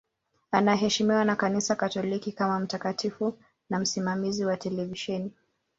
Anaheshimiwa na Kanisa Katoliki kama mtakatifu na msimamizi wa televisheni.